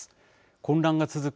混乱が続く